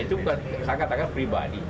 itu sangat sangat pribadi